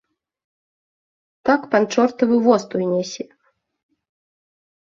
Так пан чортавы воз той нясе.